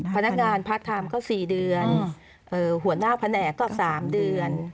พนักงานพักทำก็สี่เดือนหัวหน้าแผนก็สามเดือน